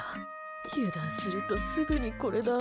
油断すると、すぐにこれだ。